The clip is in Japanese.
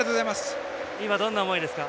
今、どんな思いですか？